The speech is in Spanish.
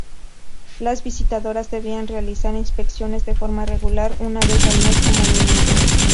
Las visitadoras debían realizar inspecciones de forma regular, una vez al mes como mínimo.